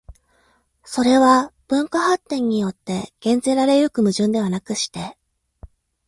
それは文化発展によって減ぜられ行く矛盾ではなくして、